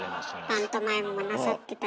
パントマイムもなさってたし。